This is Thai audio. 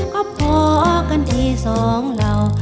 ก็พอกันที่สองเรา